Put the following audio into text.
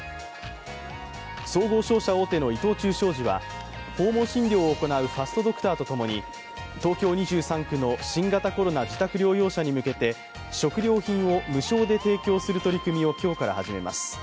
総合商社大手の伊藤忠商事は訪問診療を行うファストドクターとともに東京２３区の新型コロナ自宅療養者に向けて食料品を無償で提供する取り組みを今日から始めます。